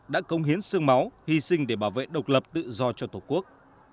đã công hiến sương máu hy sinh để bảo vệ độc lập tự do cho tổ quốc